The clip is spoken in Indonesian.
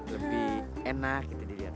lebih enak kita dilihat